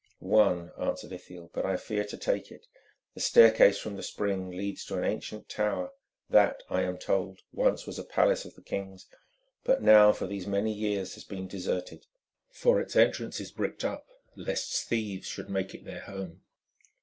"One," answered Ithiel, "but I fear to take it. The staircase from the spring leads to an ancient tower that, I am told, once was a palace of the kings, but now for these many years has been deserted, for its entrance is bricked up lest thieves should make it their home.